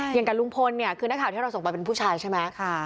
อย่างกับลุงพลเนี่ยคือนักข่าวที่เราส่งไปเป็นผู้ชายใช่ไหม